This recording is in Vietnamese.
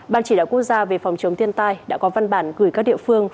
ban chỉ đạo quốc gia về phòng chống thiên tai đã có văn bản gửi các địa phương